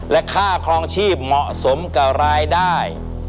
และค่าครองชีพเหมาะสมกับรายได้